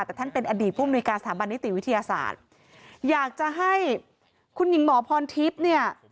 แต่ท่านเป็นอดีตผู้มนุยการสถาบันนิติวิทยาศาสตร์อยากจะให้คุณหญิงหมอพรทิพย์เนี่ย